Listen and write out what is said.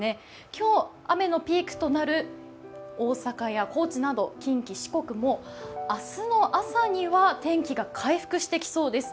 今日雨のピークとなる大阪や高知など近畿・四国も、明日の朝には天気が回復してきそうです。